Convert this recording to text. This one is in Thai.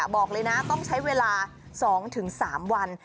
บอกเลยนะต้องใช้เวลา๒๓วัน